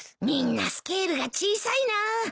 みんなスケールが小さいな。